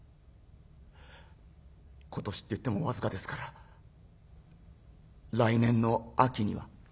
「今年っていっても僅かですから来年の秋には」。